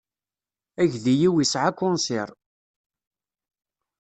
Agdi-iw isɛa akunsir.